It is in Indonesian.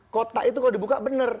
kota itu kalau dibuka benar